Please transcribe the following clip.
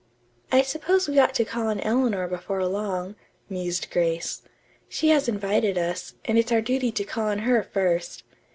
"I suppose we ought to call on Eleanor before long," mused Grace. "She has invited us, and it's our duty to call on her first.